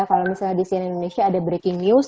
kalau misalnya di cnn indonesia ada breaking news